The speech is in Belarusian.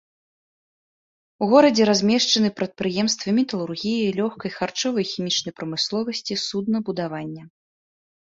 У горадзе размешчаны прадпрыемствы металургіі, лёгкай, харчовай і хімічнай прамысловасці, суднабудавання.